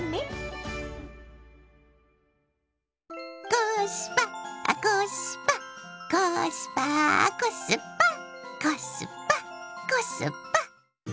コースパコスパコスパーコスパコスパコスパ。